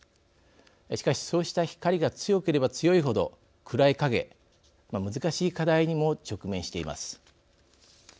しかしそうした光が強ければ強いほど暗い影難しい課題にも直面しています。